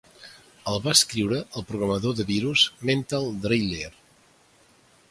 El va escriure el programador de virus "Mental Driller".